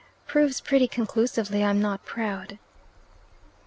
Proves pretty conclusively I'm not proud."